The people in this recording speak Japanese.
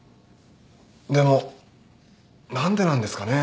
でも何でなんですかね？